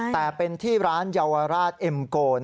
แต่เป็นที่ร้านเยาวราชเอ็มโก